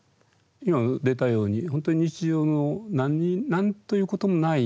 今出たように本当日常の何ということもない